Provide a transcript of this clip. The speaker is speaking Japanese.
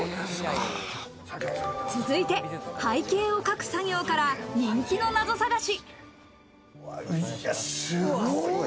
続いて背景を描く作業から人気のナゾ探し。